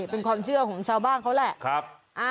เป็นความเชื่อของชาวบ้านเขาแหละ